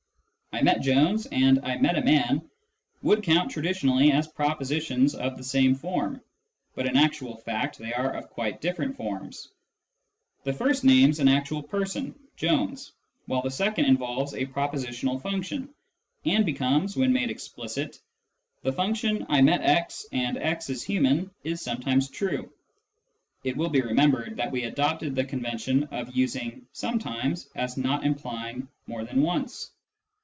" I met Jones " and " I met a man " would count traditionally as propositions of the same form, but in actual fact they are of quite different forms : the first names an actual person, Jones ; while the second involves a \ propositional function, and becomes, when made explicit :" The function ' I met x and x is human ' is sometimes true." (It will be remembered that we adopted the convention of using " sometimes " as not implying more than once.)